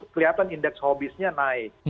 kelihatan index hobisnya naik